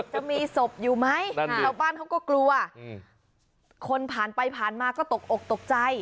จะมีศพอยู่ไหมชาวบ้านเขาก็กลัวคนผ่านไปผ่านมาก็ตกอกตกใจ